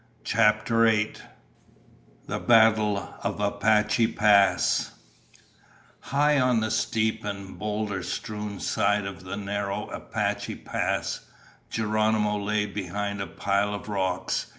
CHAPTER EIGHT The Battle of Apache Pass High on the steep and boulder strewn side of narrow Apache Pass, Geronimo lay behind a pile of rocks.